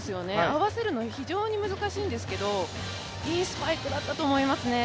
合わせるのが非常に難しいんですけれども、いいスパイクだったと思いますね。